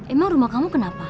emang rumah kamu kenapa